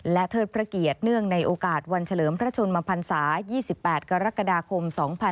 และเทิดพระเกียรติเนื่องในโอกาสวันเฉลิมพระชนมพันศา๒๘กรกฎาคม๒๕๖๒